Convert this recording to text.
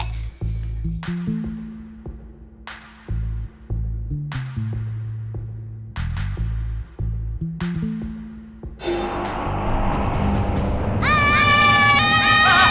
kuh pak rt